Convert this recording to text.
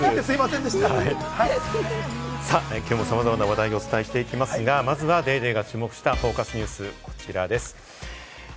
今日もさまざまな話題をお伝えしていきますが、まずは『ＤａｙＤａｙ．』が注目したＦＯＣＵＳニュース、こちらです。